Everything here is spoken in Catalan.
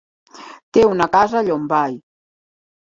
Té una casa a Llombai.